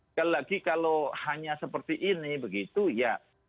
sekali lagi kalau hanya seperti ini begitu ya